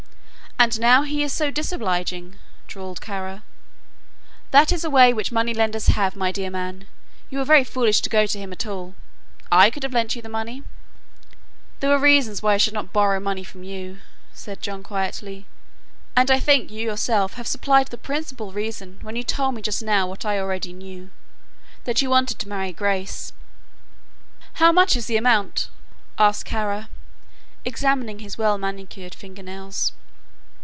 "And now he is so disobliging," drawled Kara. "That is a way which moneylenders have, my dear man; you were very foolish to go to him at all. I could have lent you the money." "There were reasons why I should not borrow money from you,", said John, quietly, "and I think you yourself have supplied the principal reason when you told me just now, what I already knew, that you wanted to marry Grace." "How much is the amount?" asked Kara, examining his well manicured finger nails.